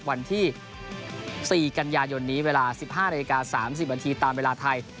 วันที่สี่กันยาหย่อนนี้เวลาสิบห้ารายการสามสิบวันทีตามเวลาไทย